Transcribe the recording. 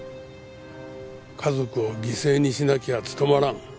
家族を犠牲にしなきゃ務まらん。